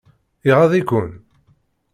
Iɣaḍ-iken?